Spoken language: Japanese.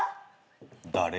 誰？